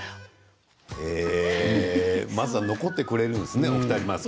まずは残ってくれるんですね、お二人。